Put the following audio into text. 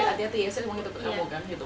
eh hati hati ya saya ingat ingat